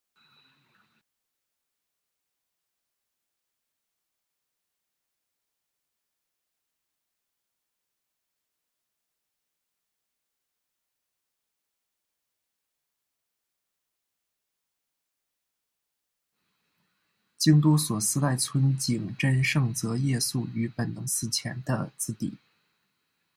京都所司代村井贞胜则夜宿于本能寺前的自邸。